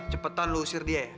cepetan lo usir dia ya